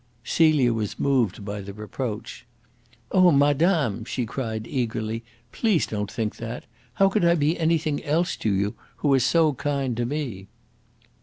Celia was moved by the reproach. "Oh, madame!" she cried eagerly. "Please don't think that. How could I be anything else to you who are so kind to me?"